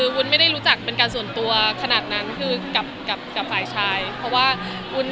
ผมไม่รู้เป็นคนซ่อมเทียดเลย